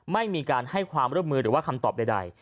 ไม่มีการให้ความร่วมมือหรือว่าคำตอบใด